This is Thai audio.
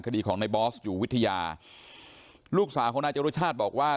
คดีของในบอสอยู่วิทยาลูกสาวของนายจรุชาติบอกว่า